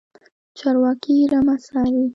چرواکی رمه څاري.